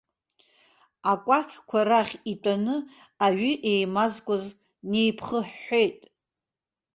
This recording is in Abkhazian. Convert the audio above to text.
Акәакьқәа рахь итәаны аҩы еимазкуаз неиԥхыҳәҳәеит.